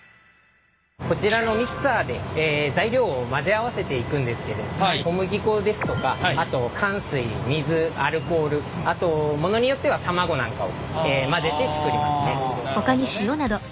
こちらのミキサーで材料を混ぜ合わせていくんですけれど小麦粉ですとかあとかん水水アルコールあとものによっては卵なんかを混ぜて作りますね。